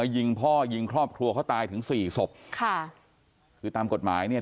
ยิงพ่อยิงครอบครัวเขาตายถึงสี่ศพค่ะคือตามกฎหมายเนี่ย